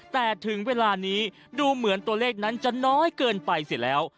แต่ถึงเวลานี้ดูเหมือนตัวเลขนั้นจะน้อยเกินไปเสร็จแล้ว